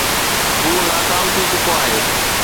هو ناڪام ٿي چڪو آهي.